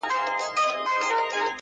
خورې ورې پرتې وي.